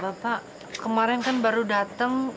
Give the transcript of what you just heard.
bapak kemarin kan baru datang